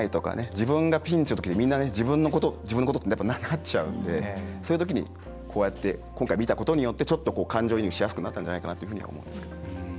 自分がピンチのときに、みんな自分のこと、自分のことってなっちゃうので、そういうときにこうやって今回見たことによってちょっと感情移入しやすくなったんじゃないかなというふうに思いますね。